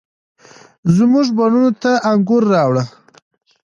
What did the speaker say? زموږ بڼوڼو ته انګور، راوړه،